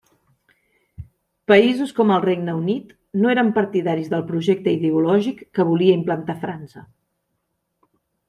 Països com el Regne Unit no eren partidaris del projecte ideològic que volia implantar França.